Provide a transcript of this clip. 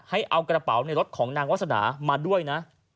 ให้เอากระเป๋าในรถของนางวาสนามาด้วยนะ